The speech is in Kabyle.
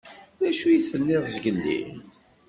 D acu i d-tenniḍ zgelli?